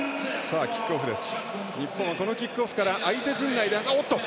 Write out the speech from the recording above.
キックオフです。